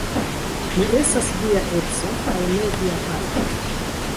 Mi estas via edzo kaj ne via patro.